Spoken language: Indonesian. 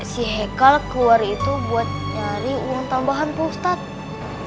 si haikal keluar itu buat nyari uang tambahan pak ustadz